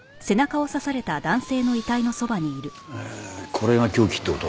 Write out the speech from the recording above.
これが凶器って事？